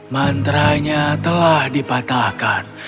mantranya telah dipatahkan